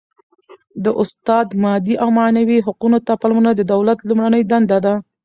د استاد مادي او معنوي حقوقو ته پاملرنه د دولت لومړنۍ دنده ده.